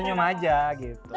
senyum aja gitu